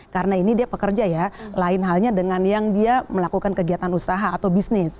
karena ini dia pekerja ya lain halnya dengan yang dia melakukan kegiatan usaha atau bisnis